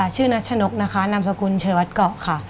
ชื่อนักชนกนะคะนามสกุลเชื้อวัดเกาะค่ะ